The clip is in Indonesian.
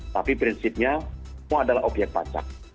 tapi prinsipnya semua adalah obyek pajak